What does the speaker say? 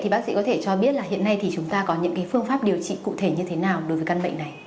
bác sĩ có thể cho biết hiện nay chúng ta có những phương pháp điều trị cụ thể như thế nào đối với căn bệnh này